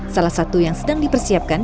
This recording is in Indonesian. salah satu yang sedang dipersiapkan